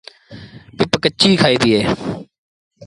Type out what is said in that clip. پپ ڪچيٚ کآئيٚبيٚ اهي۔